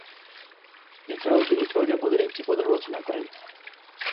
এছাড়া তিনি চর্যাপদের একটি পদের রচনা করেন।